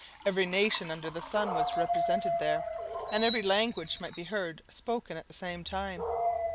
Every nation under the sun was represented there; and every language might be heard spoken at the same time.